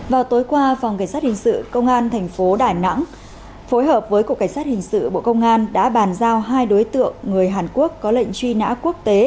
vào tối qua phòng cảnh sát hình sự công an thành phố đà nẵng phối hợp với cục cảnh sát hình sự bộ công an đã bàn giao hai đối tượng người hàn quốc có lệnh truy nã quốc tế